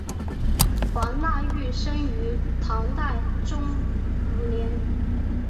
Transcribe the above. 黄讷裕生于唐大中五年。